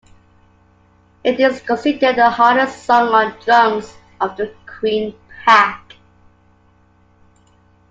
It is considered the hardest song on drums of the Queen pack.